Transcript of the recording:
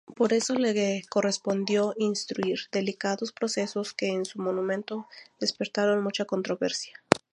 Por eso le correspondió instruir delicados procesos que en su momento despertaron mucha controversia.